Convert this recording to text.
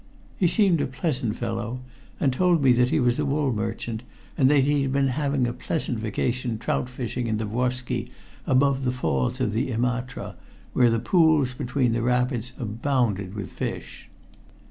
He seemed a pleasant fellow, and told me that he was a wool merchant, and that he had been having a pleasant vacation trout fishing in the Vuoski above the falls of the Imatra, where the pools between the rapids abound with fish.